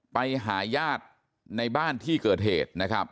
ไปหายาดในบ้านที่เกิดเหตุ